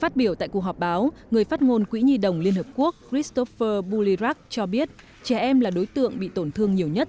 phát biểu tại cuộc họp báo người phát ngôn quỹ nhi đồng liên hợp quốc christopher bulirak cho biết trẻ em là đối tượng bị tổn thương nhiều nhất